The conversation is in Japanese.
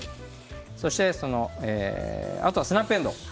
そして、あとはスナップえんどう。